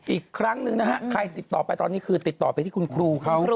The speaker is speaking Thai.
อีกครั้งหนึ่งนะฮะใครติดต่อไปตอนนี้คือติดต่อไปที่คุณครูเขา